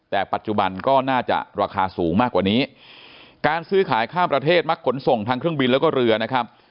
แต่ปัจจุบันก็น่าจะราคาสูงมากกว่านี้การซื้อขายข้ามประเทศมักขนส่งทางเครื่องบินแล้วก็เรือนะครับ